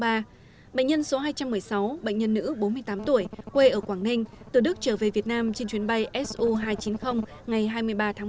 bệnh nhân số hai trăm một mươi sáu bệnh nhân nữ bốn mươi tám tuổi quê ở quảng ninh từ đức trở về việt nam trên chuyến bay su hai trăm chín mươi ngày hai mươi ba tháng một